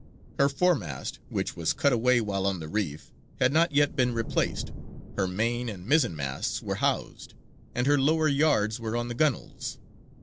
Her foremast, which was cut away while on the reef, had not yet been replaced, her main and mizzen masts were housed, and her lower yards were on the gunwales.